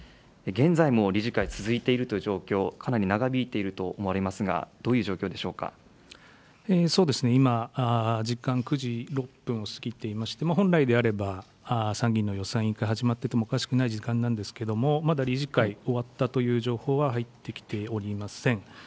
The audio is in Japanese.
現在も理事会続いているという状況、かなり長引いていると思われますが、そうですね、今、時間９時６分を過ぎていまして、本来であれば、参議院の予算委員会始まっていてもおかしくない時間なんですけれども、まだ理事会、終わったという情報は入ってきておりません。